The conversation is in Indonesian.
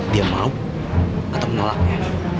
dia mau atau menolaknya